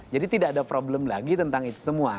jadi tidak ada problem lagi tentang itu semua